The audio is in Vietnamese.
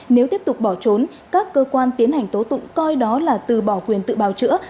nếu tiếp tục bỏ trốn các cơ quan tiến hành tố tụng coi đó là từ bỏ quyền tự bào chữa